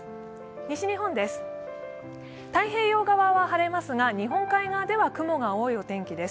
西日本、太平洋側は晴れますが日本海側は雲が多いお天気です。